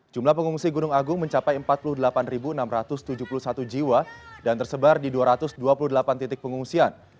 jumlah pengungsi gunung agung mencapai empat puluh delapan enam ratus tujuh puluh satu jiwa dan tersebar di dua ratus dua puluh delapan titik pengungsian